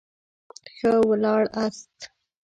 ښه ولاړاست.